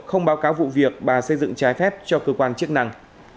không báo cáo vụ việc bà xây dựng trái phép cho cơ quan chức năng